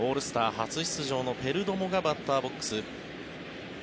初出場のペルドモがバッターボックス。